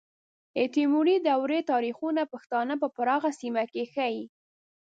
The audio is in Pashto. د تیموري دورې تاریخونه پښتانه په پراخه سیمه کې ښیي.